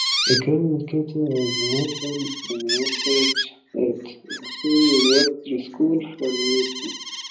The current editor is Nathan Ensmenger at Indiana University School of Informatics.